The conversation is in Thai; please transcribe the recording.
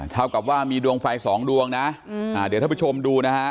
เท่ากับว่ามีดวงไฟสองดวงนะเดี๋ยวท่านผู้ชมดูนะฮะ